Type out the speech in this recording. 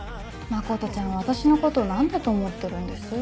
真ちゃんは私のことを何だと思ってるんです？